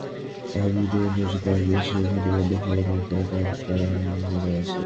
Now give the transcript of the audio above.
আমিগডালার কারণে সে এখনো মন্দ খবরের ব্যাপারেই কান খাড়া করে থাকে।